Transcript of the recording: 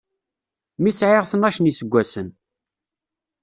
Mi sɛiɣ tnac n yiseggasen.